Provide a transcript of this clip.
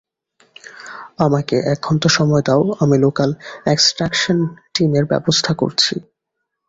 আমাকে এক ঘন্টা সময় দাও আমি লোকাল এক্সট্রাকশন টিমের ব্যবস্থা করছি।